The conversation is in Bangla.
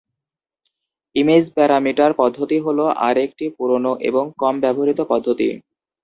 ইমেজ প্যারামিটার পদ্ধতি হল আরেকটি পুরোনো এবং কম-ব্যবহৃত পদ্ধতি।